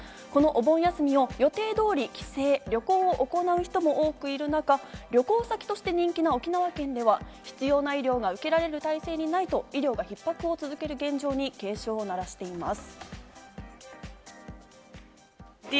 お盆休みを予定通り、帰省や旅行を行う人も多くいる中、旅行先として人気の沖縄県では必要な医療が受けられる体制にないと医療がひっ迫を続ける現状に警鐘を鳴らしています。